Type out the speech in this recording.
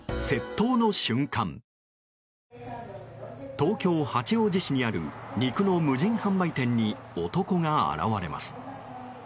東京・八王子市にある肉の無人販売店に男が現れます。